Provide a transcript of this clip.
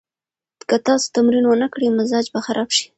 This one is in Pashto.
که تاسو تمرین ونه کړئ، مزاج به خراب شي.